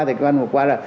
thời gian vừa qua là